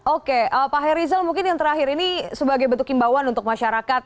oke pak herizal mungkin yang terakhir ini sebagai bentuk imbauan untuk masyarakat